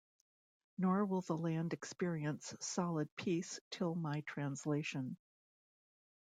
Nor will the land experience solid peace till my translation.